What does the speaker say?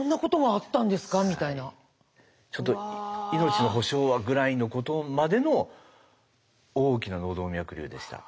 命の保証はぐらいのことまでの大きな脳動脈瘤でした。